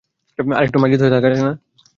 আরেকটু মার্জিত হয়ে থাকা যায় না?